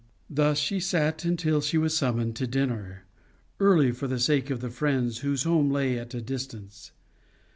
Thus she sat until she was summoned to dinner early for the sake of the friends whose home lay at a distance.